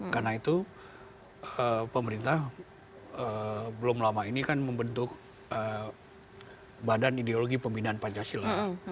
karena itu pemerintah belum lama ini kan membentuk badan ideologi pembinaan pancasila